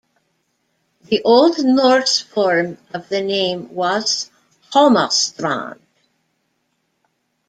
The Old Norse form of the name was "Holmastrand".